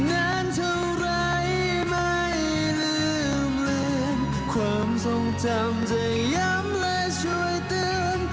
นานเท่าไรไม่ลืมลืมความทรงจำจะย้ำและช่วยเตือน